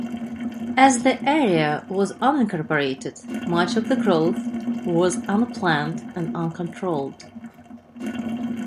As the area was unincorporated much of the growth was unplanned and uncontrolled.